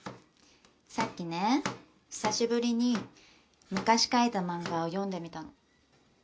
さっきね久しぶりに昔描いた漫画を読んでみたの。